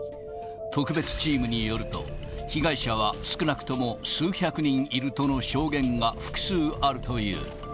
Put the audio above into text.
特別チームによると、被害者は少なくとも数百人いるとの証言が複数あるという。